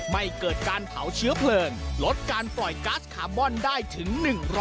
ไม่เกิดการเผาเชื้อเพลิงลดการปล่อยก๊าซคาร์บอนได้ถึง๑๐๐